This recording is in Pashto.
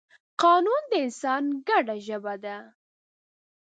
قانون د انسان ګډه ژبه ده.